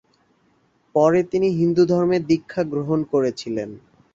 পরে তিনি হিন্দু ধর্মে দীক্ষা গ্রহণ করেছিলেন।